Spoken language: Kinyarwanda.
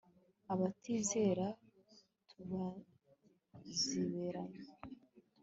abatizera tubazibiranye